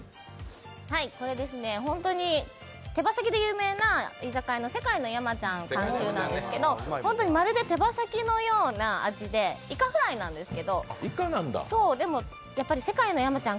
本当に手羽先で有名な居酒屋の世界の山ちゃん監修なんですけど、本当にまるで手羽先のような味で、いかフライなんですけど、でも世界の山ちゃん